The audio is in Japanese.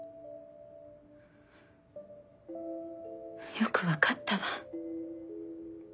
よく分かったわ。